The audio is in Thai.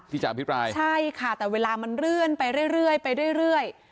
ที่จากพิพลายใช่ค่ะแต่เวลามันเลื่อนไปเรื่อย